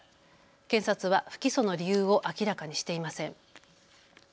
検察は不起訴の理由を明らかにしていません。